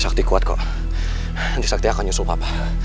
nanti kuat kok nanti sakti akan nyusul papa